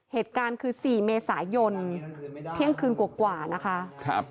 เหตุการณ์คือ๔เมษายนธแทนทีกว่านะคะ